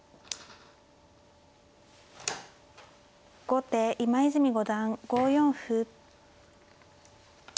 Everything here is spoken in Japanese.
後手今泉五段５四歩。